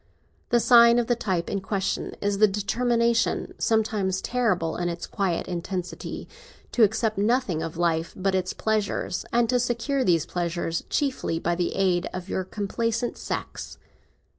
The sign of the type in question is the determination—sometimes terrible in its quiet intensity—to accept nothing of life but its pleasures, and to secure these pleasures chiefly by the aid of your complaisant sex.